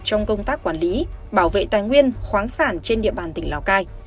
trong công tác quản lý bảo vệ tài nguyên khoáng sản trên địa bàn tỉnh lào cai